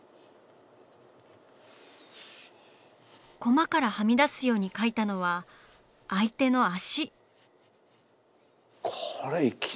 コマからはみ出すように描いたのは相手の足！